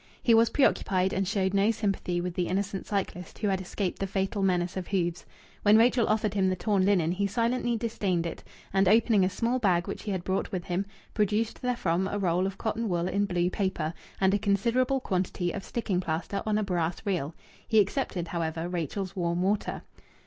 He was preoccupied, and showed no sympathy with the innocent cyclist who had escaped the fatal menace of hoofs. When Rachel offered him the torn linen, he silently disdained it, and, opening a small bag which he had brought with him, produced therefrom a roll of cotton wool in blue paper, and a considerable quantity of sticking plaster on a brass reel. He accepted, however, Rachel's warm water.